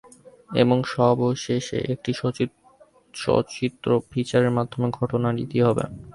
এবং সবেশেষে একটি সচিত্র ফিচারের মাধ্যমে ঘটনার ইতি হবে।